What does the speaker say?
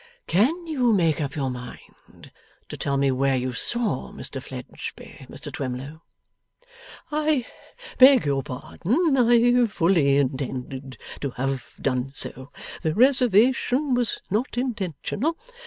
'Can you make up your mind to tell me where you saw Mr Fledgeby, Mr Twemlow?' 'I beg your pardon. I fully intended to have done so. The reservation was not intentional.